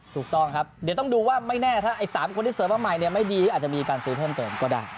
ถูกต้องครับเดี๋ยวต้องดูว่าไม่แน่ถ้าไอ้๓คนที่เสิร์ฟมาใหม่เนี่ยไม่ดีอาจจะมีการซื้อเพิ่มเติมก็ได้